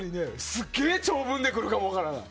すっげえ長文で来るかも分からない。